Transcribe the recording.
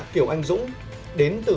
kiều anh dũng đến từ